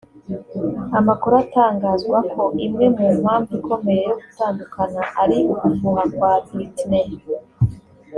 amakuru atangazwa ko imwe mu mpamvu ikomeye yo gutandukana ari ugufuha kwa Britney